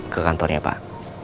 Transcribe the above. ke kantornya pak